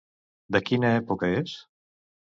De quina època és?